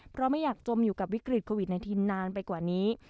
เพราะไม่อยากจมอยู่กับวิกฤตโควิด๑๙นานไปกว่านี้